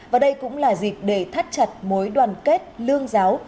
và đây cũng là dịp để thắt chặt mối đoàn kết lương giáo